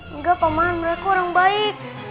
enggak pak man mereka orang baik